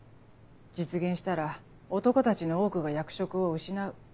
実現したら男たちの多くが役職を失う。